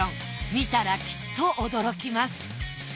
見たらきっと驚きます。